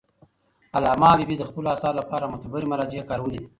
علامه حبیبي د خپلو اثارو لپاره معتبري مراجع کارولي دي.